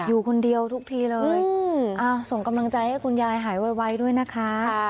อยู่คนเดียวทุกทีเลยส่งกำลังใจให้คุณยายหายไวด้วยนะคะ